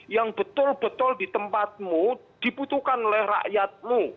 yang betul betul di tempatmu dibutuhkan oleh rakyatmu